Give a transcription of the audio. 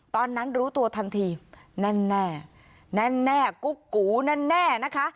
ตอนนั้นรู้ตัวทันทีแน่นแน่แน่นแน่กุ๊กกูแน่นแน่นะคะ